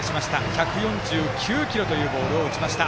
１４９キロというボールを打ちました。